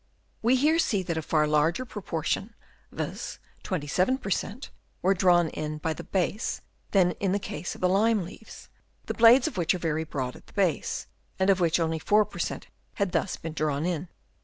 We here see that a far larger proportion, viz., 27 per cent, were drawn in by the base than in the case of lime leaves, the blades of which are very broad at the base, and of which only 4 per cent, had thus been drawn in.